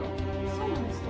そうなんですか？